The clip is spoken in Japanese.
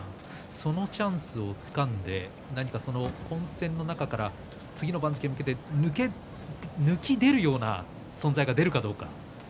そのチャンスをつかんで混戦の中から次の番付に向けて抜き出るような存在が出るかどうか。